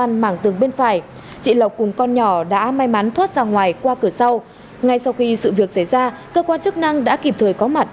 ngay sau khi sự việc xảy ra cơ quan chức năng đã kịp thời có mặt